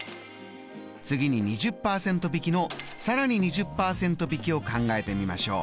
次に２０％引きのさらに２０％引きを考えてみましょう。